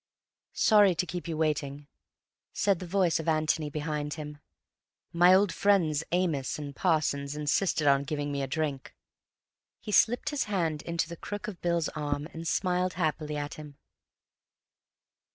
"Sorry to keep you waiting," said the voice of Antony behind him. "My old friends Amos and Parsons insisted on giving me a drink." He slipped his hand into the crook of Bill's arm, and smiled happily at him.